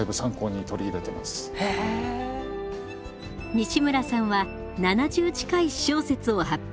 西村さんは７０近い私小説を発表。